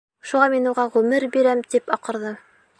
Шуға мин уға ғүмер бирәм, тип аҡырҙы.